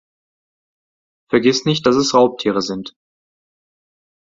Vergiss nicht, dass es Raubtiere sind.